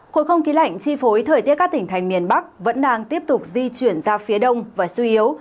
khối không khí lạnh chi phối thời tiết các tỉnh thành miền bắc vẫn đang tiếp tục di chuyển ra phía đông và suy yếu